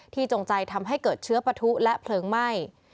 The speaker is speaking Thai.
จงใจทำให้เกิดเชื้อปะทุและเพลิงไหม้